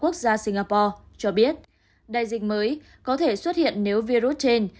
quốc gia singapore cho biết đại dịch mới có thể xuất hiện nếu virus trên